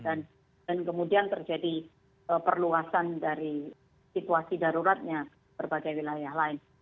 dan kemudian terjadi perluasan dari situasi daruratnya berbagai wilayah lain